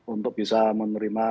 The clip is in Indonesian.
untuk bisa menerima